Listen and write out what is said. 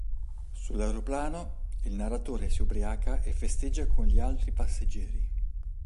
Sull'aeroplano, il narratore si ubriaca e festeggia con gli altri passeggeri.